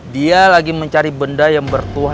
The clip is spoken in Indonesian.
dia lagi mencari benda yang bertuah